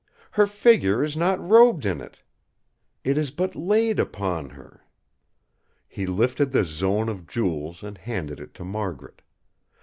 her figure is not robed in it. It is but laid upon her." He lifted the zone of jewels and handed it to Margaret.